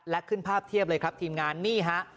และขึ้นภาพเทียบเลยครับทีมงานนี่ฮะ